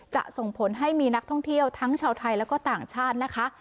ส่งผลให้มีนักท่องเที่ยวทั้งชาวไทยแล้วก็ต่างชาตินะคะ